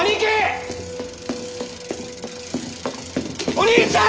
お兄ちゃん！